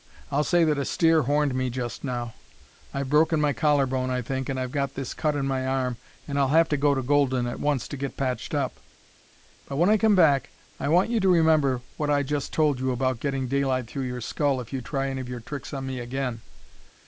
I'll say that a steer horned me just now. I've broken my collar bone, I think, and I've got this cut in my arm, and I'll have to go to Golden at once to get patched up. When I come back I want you to remember what I just told you about getting daylight through your skull if you try any of your tricks on me again.